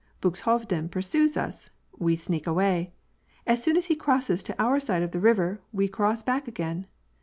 Buxhovden pursues us,— we sneak away. As soon as he crosses to our side of the river we cross back again.